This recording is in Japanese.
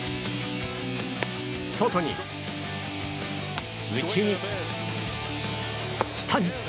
外に、内に、下に。